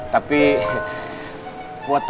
tapi gua tambuh